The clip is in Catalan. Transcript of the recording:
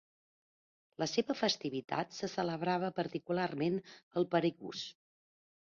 La seva festivitat se celebrava particularment al Perigús.